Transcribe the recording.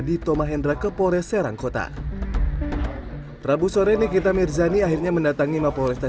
dito mahendra ke pores serangkota rabu sore nikita mirzani akhirnya mendatangi mapolresta